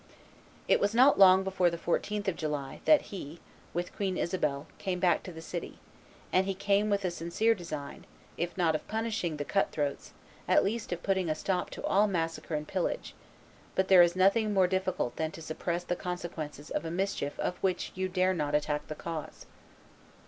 It was not before the 14th of July that he, with Queen Isabel, came back to the city; and he came with a sincere design, if not of punishing the cut throats, at least of putting a stop to all massacre and pillage; but there is nothing more difficult than to suppress the consequences of a mischief of which you dare not attack the cause.